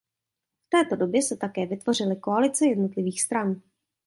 V této době se také vytvořily koalice jednotlivých stran.